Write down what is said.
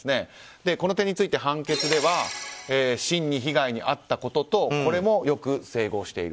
この点について判決では真に被害に遭ったこととこれもよく整合している。